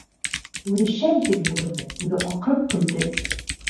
Үҙе шәп итеп йүгерҙе, үҙе аҡырып көлдө.